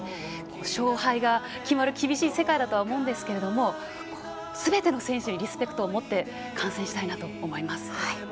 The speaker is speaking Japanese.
勝敗が決まる厳しい世界だとは思うんですがすべての選手にリスペクトを持って観戦したいなと思います。